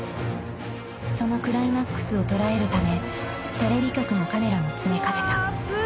［そのクライマックスを捉えるためテレビ局のカメラも詰め掛けた］